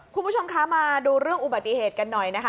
คุณผู้ชมคะมาดูเรื่องอุบัติเหตุกันหน่อยนะคะ